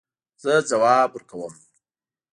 زه ځواب ورکوم